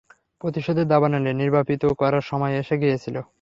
প্রতিশোধের দাবানল নির্বাপিত করার সময় এসে গিয়েছিল।